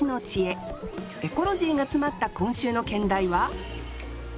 エコロジーが詰まった今週の兼題は？